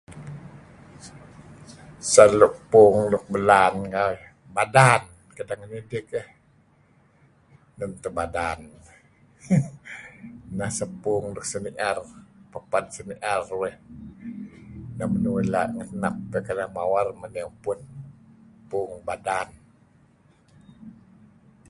Sah luk puung luk belaan kaih, badan kedeh ngidih keh, nun teh badan, neh seh puung piped seni'er uih. Neh menuih la' ngenep iyeh keleh mawer men iyeh upun. Puung badan.